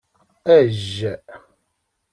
Ajj.